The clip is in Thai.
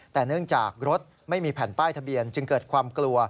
แต่เนื่องจากรถไม่มีแผ่นป้ายทะเบียนจึงเกิดความกลัว